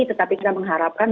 tetapi kita mengharapkan